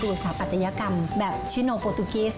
ถ้าดูสัตว์ปัจจัยกรรมแบบชิโนโปตุกิส